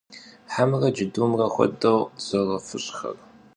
Hemre cedumre xuedeu zerofış'xer.